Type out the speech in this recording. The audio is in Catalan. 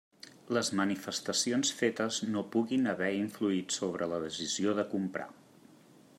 Les manifestacions fetes no puguin haver influït sobre la decisió de comprar.